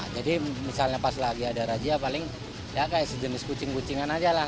jadi misalnya pas lagi ada razia paling ya kayak sejenis kucing kucingan aja lah